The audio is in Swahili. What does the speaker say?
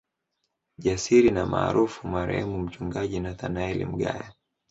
Jasiri na maarufu Marehemu Mchungaji Nathanaeli Mgaya